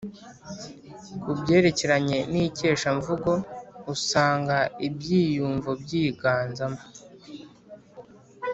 ku byerekeranye n’ikeshamvugo, usanga ibyivugo byiganzamo